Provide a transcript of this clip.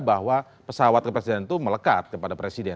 bahwa pesawat kepresidenan itu melekat kepada presiden